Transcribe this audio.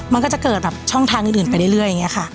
มันก็จะเกิดแบบช่องทางอื่นไปเรื่อยอย่างนี้ค่ะ